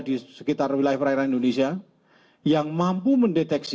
di sekitar wilayah perairan indonesia yang mampu mendeteksi